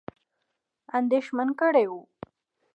اندېښمن کړي وه.